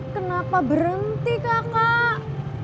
kenapa berhenti kakak